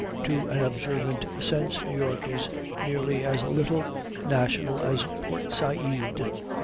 To an observant sense New York is nearly as little national as Port Said.